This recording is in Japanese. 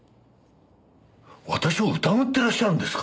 私を疑ってらっしゃるんですか！？